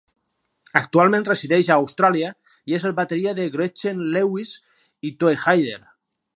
Actualment resideix a Austràlia i és el bateria de Gretchen Lewis i Toehider.